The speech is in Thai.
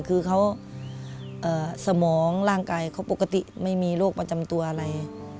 คือเขาสมองร่างกายเขาปกติไม่มีโรคประจำตัวอะไร